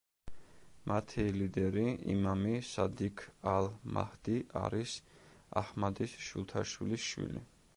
მათი ლიდერი იმამი სადიქ ალ-მაჰდი არის აჰმადის შვილთაშვილის შვილი.